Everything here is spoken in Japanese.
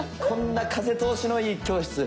こんな風通しのいい教室